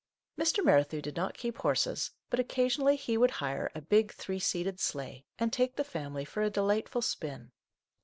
Mr. Merrithew did not keep horses, but occasionally he would hire a big three seated sleigh and take the family for a delightful spin.